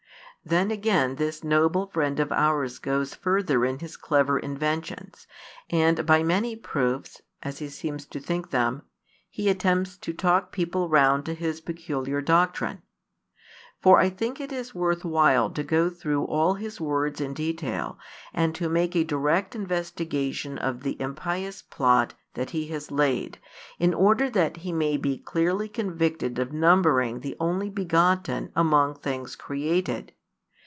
Then again this noble friend of ours goes further in his clever inventions, and by many proofs (as |277 he seems to think them) he attempts to talk people round to his peculiar doctrine. For I think it is worth while to go through all his words in detail, and to make a direct investigation of the impious plot that he has laid, in order that he may be clearly convicted of numbering the Only begotten among things created.